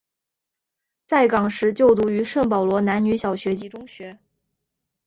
在港时就读于圣保罗男女小学及中学。